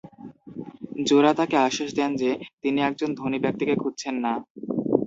জোরা তাকে আশ্বাস দেন যে, তিনি একজন ধনী ব্যক্তিকে খুঁজছেন না।